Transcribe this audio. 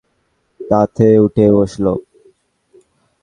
তাতে উঠে বসল।